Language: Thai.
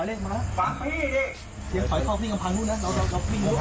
ได้ครับแถวแรกปืนออกไปนะ